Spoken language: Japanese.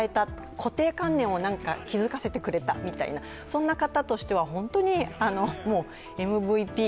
固定観念を気づかせてくれた、そんな方としては本当にＭＶＰ、